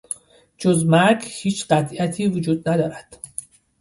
جز مرگ هیچ قطعیتی وجود ندارد.